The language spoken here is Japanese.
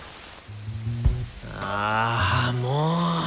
ああもう！